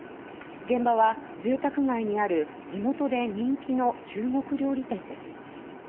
現場は、住宅街にある地元で人気の中国料理店です。